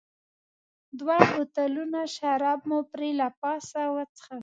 دوه بوتلونه شراب مو پرې له پاسه وڅښل.